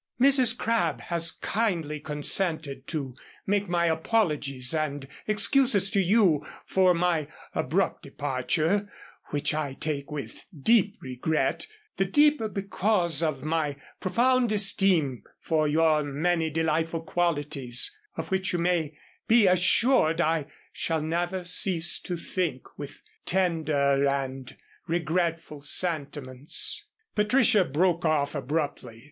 "Mrs. Crabb has kindly consented to make my apologies and excuses to you for my abrupt departure which I take with deep regret, the deeper because of my profound esteem for your many delightful qualities, of which you may be assured I shall never cease to think with tender and regretful sentiments " Patricia broke off abruptly.